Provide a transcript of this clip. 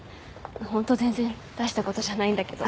ホント全然大したことじゃないんだけど。